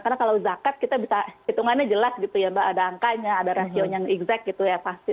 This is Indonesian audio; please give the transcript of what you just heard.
karena kalau zakat kita bisa hitungannya jelas gitu ya mbak ada angkanya ada rasio yang exact gitu ya pasti